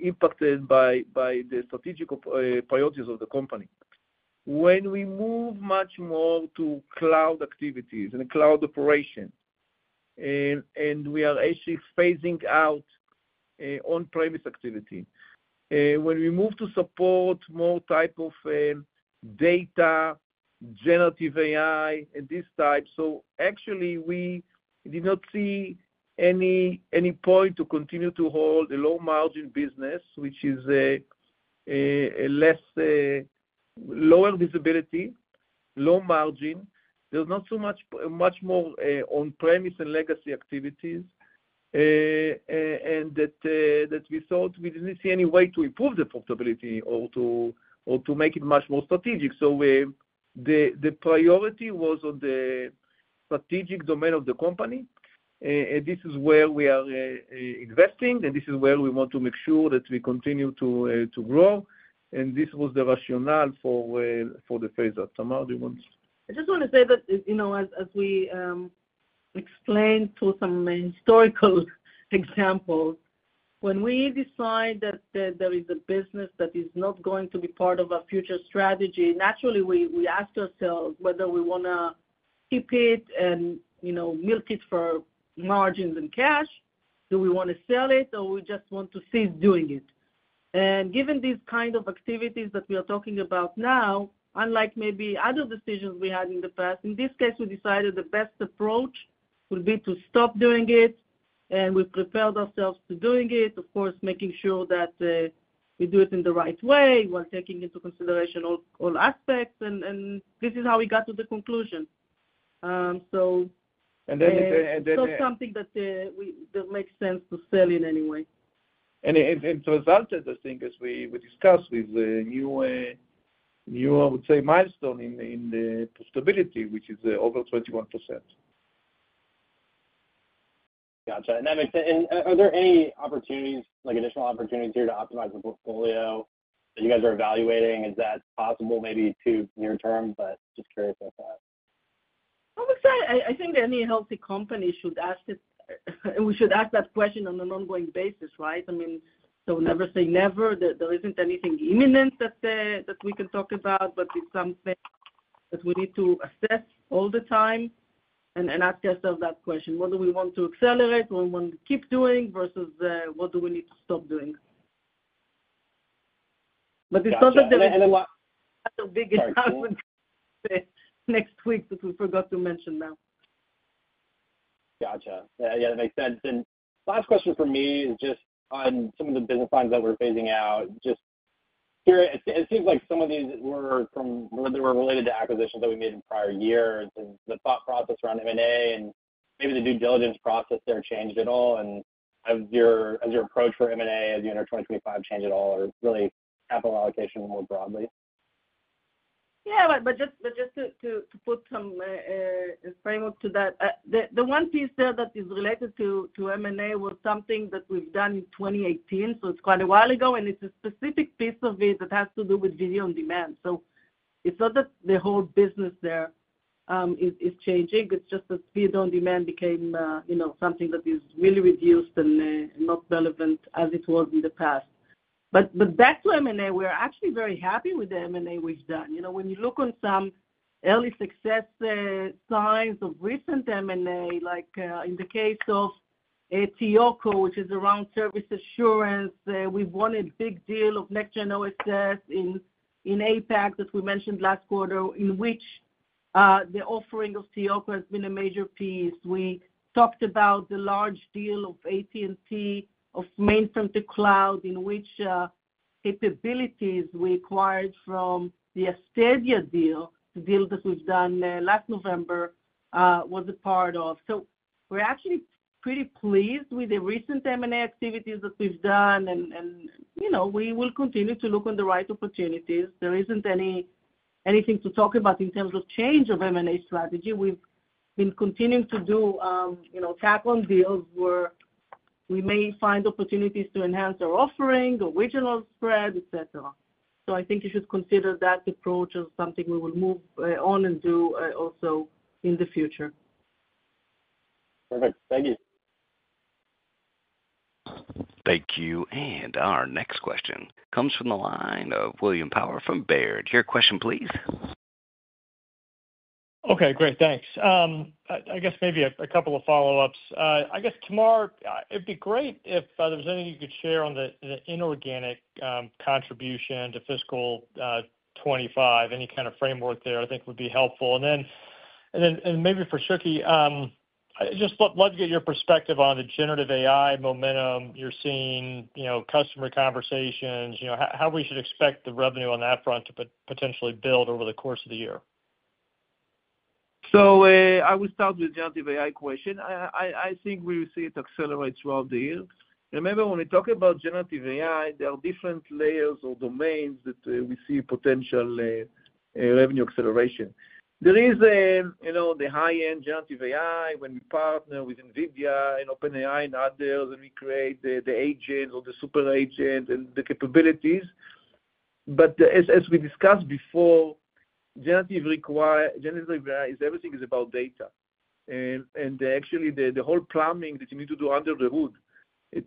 impacted by the strategic priorities of the company. When we move much more to cloud activities and cloud operation, and we are actually phasing out on-premise activity, when we move to support more types of data, generative AI, and this type, so actually, we did not see any point to continue to hold a low-margin business, which is lower visibility, low margin. There's not so much more on-premise and legacy activities, and that we thought we didn't see any way to improve the profitability or to make it much more strategic. So the priority was on the strategic domain of the company. And this is where we are investing, and this is where we want to make sure that we continue to grow. And this was the rationale for the phase-out. Tamar, do you want to? I just want to say that, as we explained through some historical examples, when we decide that there is a business that is not going to be part of our future strategy, naturally, we ask ourselves whether we want to keep it and milk it for margins and cash. Do we want to sell it, or we just want to cease doing it? And given these kinds of activities that we are talking about now, unlike maybe other decisions we had in the past, in this case, we decided the best approach would be to stop doing it, and we prepared ourselves to doing it, of course, making sure that we do it in the right way while taking into consideration all aspects. And this is how we got to the conclusion. So it's not something that makes sense to sell in any way. And it resulted, I think, as we discussed, with a new, I would say, milestone in the profitability, which is over 21%. Gotcha. And are there any opportunities, like additional opportunities here to optimize the portfolio that you guys are evaluating? Is that possible maybe too near-term? But just curious about that. I would say I think any healthy company should ask that we should ask that question on an ongoing basis, right? I mean, so never say never. There isn't anything imminent that we can talk about, but it's something that we need to assess all the time and ask ourselves that question. What do we want to accelerate? What do we want to keep doing versus what do we need to stop doing? But it's not that there is a big announcement next week that we forgot to mention now. Gotcha. Yeah, that makes sense. And last question for me is just on some of the business lines that we're phasing out. Just curious. It seems like some of these were related to acquisitions that we made in prior years. And the thought process around M&A and maybe the due diligence process there changed at all? And has your approach for M&A as you enter 2025 changed at all, or really capital allocation more broadly? Yeah, but just to put some framework to that, the one piece there that is related to M&A was something that we've done in 2018, so it's quite a while ago, and it's a specific piece of it that has to do with video on demand, so it's not that the whole business there is changing. It's just that video on demand became something that is really reduced and not relevant as it was in the past, but back to M&A, we're actually very happy with the M&A we've done. When you look on some early success signs of recent M&A, like in the case of TEOCO, which is around service assurance, we've won a big deal of NextGen OSS in APAC that we mentioned last quarter, in which the offering of TEOCO has been a major piece. We talked about the large deal of AT&T of mainframe to cloud, in which capabilities we acquired from the Astadia deal, the deal that we've done last November, was a part of. So we're actually pretty pleased with the recent M&A activities that we've done, and we will continue to look on the right opportunities. There isn't anything to talk about in terms of change of M&A strategy. We've been continuing to do tack-on deals where we may find opportunities to enhance our offering, original spread, etc. So I think you should consider that approach as something we will move on and do also in the future. Perfect. Thank you. Thank you. And our next question comes from the line of William Power from Baird. Your question, please. Okay. Great. Thanks. I guess maybe a couple of follow-ups. I guess, Tamar, it'd be great if there was anything you could share on the inorganic contribution to fiscal 2025. Any kind of framework there, I think, would be helpful. And then maybe for Shuky, I'd just love to get your perspective on the generative AI momentum you're seeing, customer conversations, how we should expect the revenue on that front to potentially build over the course of the year. So I will start with the generative AI question. I think we will see it accelerate throughout the year. Remember, when we talk about generative AI, there are different layers or domains that we see potential revenue acceleration. There is the high-end generative AI when we partner with NVIDIA and OpenAI and others, and we create the agent or the super agent and the capabilities, but as we discussed before, generative AI, everything is about data, and actually, the whole plumbing that you need to do under the hood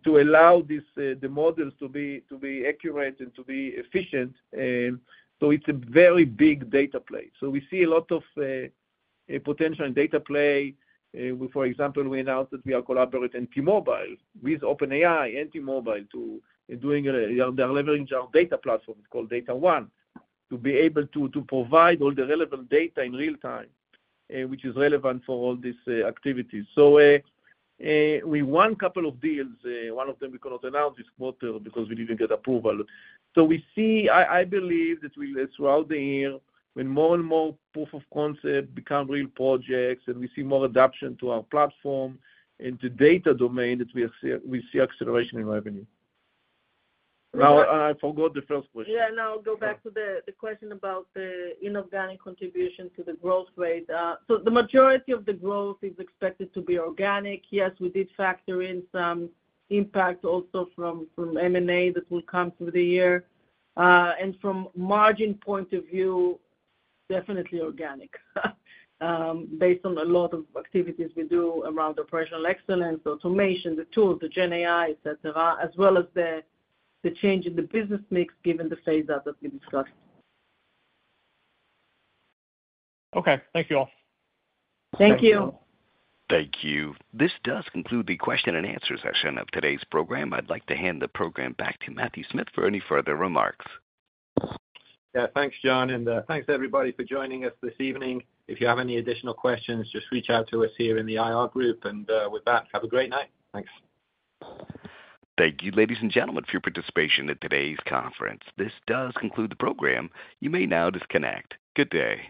to allow the models to be accurate and to be efficient, so it's a very big data play, so we see a lot of potential in data play. For example, we announced that we are collaborating with T-Mobile, with OpenAI and T-Mobile to be delivering our data platform. It's called DataOne to be able to provide all the relevant data in real time, which is relevant for all these activities, so we won a couple of deals. One of them we could not announce this quarter because we didn't get approval, so I believe that throughout the year, when more and more proof of concept become real projects and we see more adoption to our platform and to data domain, we see acceleration in revenue. Now, I forgot the first question. Yeah. Now, I'll go back to the question about the inorganic contribution to the growth rate, so the majority of the growth is expected to be organic. Yes, we did factor in some impact also from M&A that will come through the year, and from a margin point of view, definitely organic based on a lot of activities we do around operational excellence, automation, the tools, the GenAI, etc., as well as the change in the business mix given the phase-out that we discussed. Okay. Thank you all. Thank you. Thank you. This does conclude the question and answer session of today's program. I'd like to hand the program back to Matthew Smith for any further remarks. Yeah. Thanks, Jonathan. And thanks, everybody, for joining us this evening. If you have any additional questions, just reach out to us here in the IR group. And with that, have a great night. Thanks. Thank you, ladies and gentlemen, for your participation in today's conference. This does conclude the program. You may now disconnect. Good day.